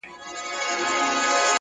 له کوچۍ پېغلي سره نه ځي د کېږدۍ سندري-